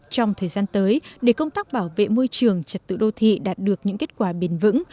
trong thời gian tới để công tác bảo vệ môi trường trật tự đô thị đạt được những kết quả bền vững